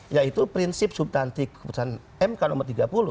yaitu prinsip subtansi keputusan mk nomor tiga puluh